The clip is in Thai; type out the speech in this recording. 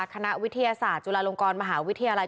คณะวิทยาศาสตร์จุฬาลงกรมหาวิทยาลัย